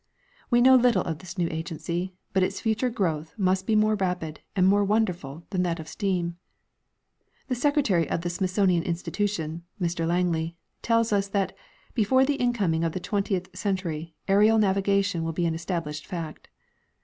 We know little of this new agency, but its future growth must be more rapid and more wonderful than that of steam. The secretary of the Smithsonian Institution (Mr. Langiey) tells us that " before the incoming of the twentieth century, aerial navigation will be an established fact."